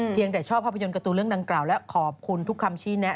แต่ชอบภาพยนตร์การ์ตูนเรื่องดังกล่าวและขอบคุณทุกคำชี้แนะ